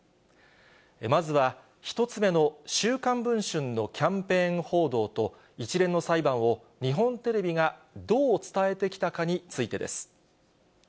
まずは、１つ目の週刊文春のキャンペーン報道と、一連の裁判を日本テレビがどう伝えてきたかについてです。